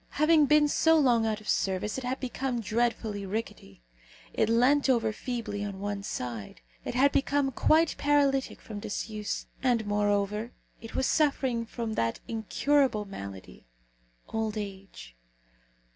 Having been so long out of service, it had become dreadfully rickety; it leant over feebly on one side; it had become quite paralytic from disuse; and, moreover, it was suffering from that incurable malady old age.